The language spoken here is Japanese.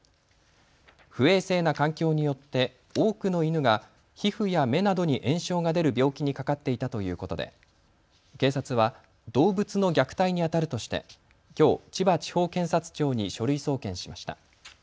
不衛生な環境によって多くの犬が皮膚や目などに炎症が出る病気にかかっていたということで警察は動物の虐待にあたるとしてきょう、千葉地方検察庁に書類送検しました。